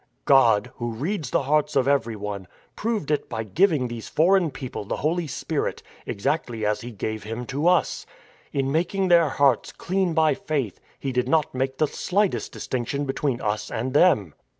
" God, who reads the hearts of everyone, proved THE DECISIVE BATTLE 161 it by giving these foreign people the Holy Spirit, ex actly as He gave Him to us. In making their hearts clean by faith He did not make the slightest distinction between us and them.